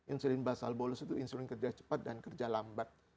insulin basal bolus itu insulin kerja cepat dan kerja lambat